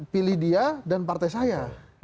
pilih dia dan partai saya